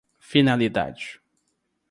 finalidade